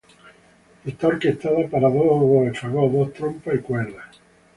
Está orquestada para dos oboes, fagot, dos trompas y cuerdas.